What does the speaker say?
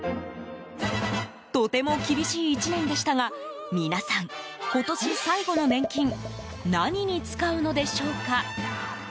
とても厳しい１年でしたが皆さん、今年最後の年金何に使うのでしょうか。